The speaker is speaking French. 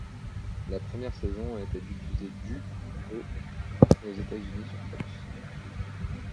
La première saison a été diffusée du au aux États-Unis sur Fox.